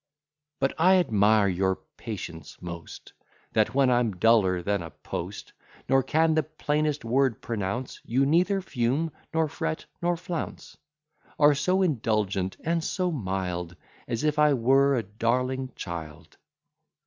But I admire your patience most; That when I'm duller than a post, Nor can the plainest word pronounce, You neither fume, nor fret, nor flounce; Are so indulgent, and so mild, As if I were a darling child.